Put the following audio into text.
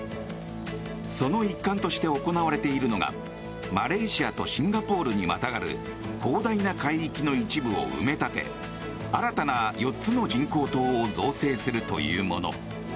その一環として行われているのがマレーシアとシンガポールにまたがる広大な海域の一部を埋め立て新たな４つの人工島を造成するというもの。